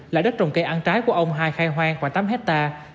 là đất trồng cây ăn trái của ông hai khai hoang khoảng tám hectare